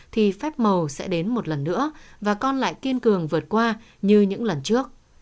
thì phép màu sẽ đến một lần nữa và con lại kiên cường vượt qua như những lần trước